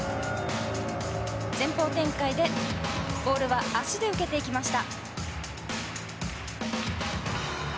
前方転回でボールは足で受けていきました。